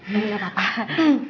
nih gak apa apa